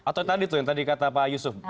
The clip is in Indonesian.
atau tadi tuh yang tadi kata pak yusuf